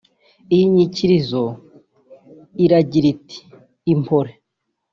Iyi nyikirizo iragira iti ” Impore